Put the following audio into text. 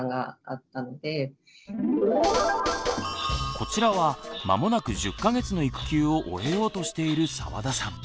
こちらは間もなく１０か月の育休を終えようとしている澤田さん。